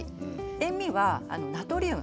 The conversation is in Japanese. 塩味はナトリウム。